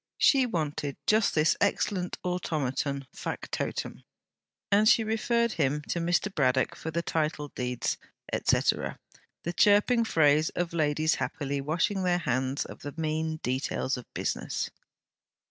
She wanted just this excellent automaton fac totum; and she referred him to Mr. Braddock for the title deeds, et caetera the chirping phrase of ladies happily washing their hands of the mean details of business.